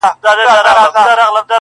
کرۍ ورځ به پر باوړۍ نه ګرځېدلای -